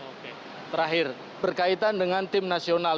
oke terakhir berkaitan dengan tim nasional